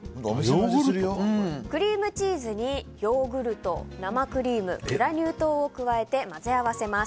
クリームチーズにヨーグルト生クリームグラニュー糖を加えて混ぜ合わせます。